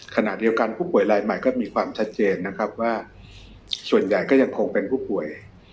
ขณะเดียวกันผู้ป่วยรายใหม่ก็มีความชัดเจนนะครับว่าส่วนใหญ่ก็ยังคงเป็นผู้ป่วย